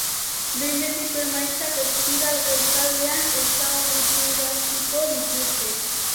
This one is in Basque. Behin betiko emaitzak ostiral goizaldean ezaguturaziko dituzte.